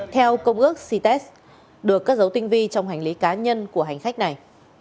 theo công ước cites được cất dấu tinh vi trong hành lý cá nhân của hành khách này